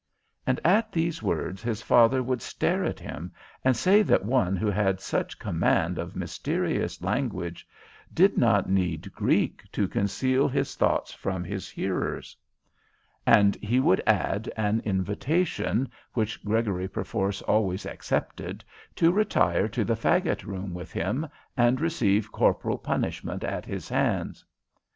And at these words his father would stare at him and say that one who had such command of mysterious language did not need Greek to conceal his thoughts from his hearers; and he would add an invitation, which Gregory perforce always accepted, to retire to the fagot room with him and receive corporal punishment at his hands.